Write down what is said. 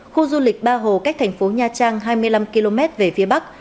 khu du lịch ba hồ cách thành phố nha trang hai mươi năm km về phía bắc